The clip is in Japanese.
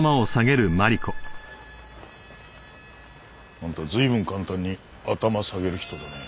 あんた随分簡単に頭下げる人だね。